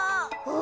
お！